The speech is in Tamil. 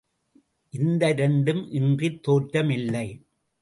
இந்த இரண்டும் இன்றித் தோற்றம் இல்லை.